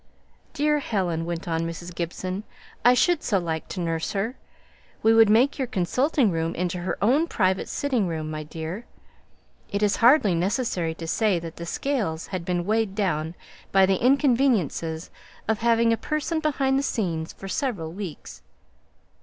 "Dear Helen!" went on Mrs. Gibson, "I should so like to nurse her! We would make your consulting room into her own private sitting room, my dear." (It is hardly necessary to say that the scales had been weighed down by the inconveniences of having a person behind the scenes for several weeks).